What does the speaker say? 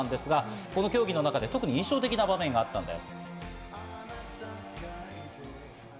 この競技の中で印象的な場面があったんです。